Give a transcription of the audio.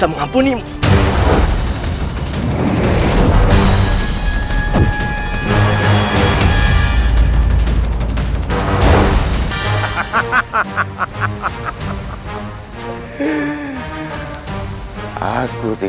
dan mungkin aku terima kasih